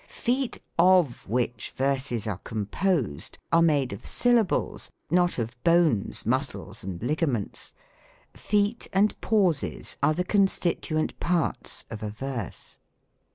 Feet of which verses are composed are made of sylla* bles, not of bones, muscles, and ligaments. Feet and pauses are the constituent parts of a verse.